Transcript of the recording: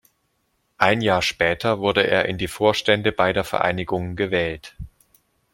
Ein Jahr später wurde er in die Vorstände beider Vereinigungen gewählt.